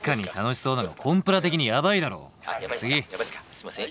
「すいません。